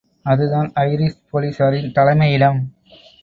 அதுதான் ஐரிஷ் போலிஸாரின் தலைமை இடம்.